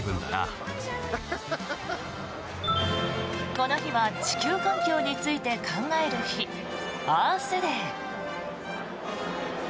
この日は地球環境について考える日アースデー。